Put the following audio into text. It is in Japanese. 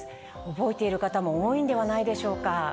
覚えている方も多いんではないでしょうか。